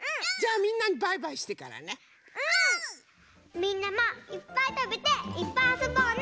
みんなもいっぱいたべていっぱいあそぼうね！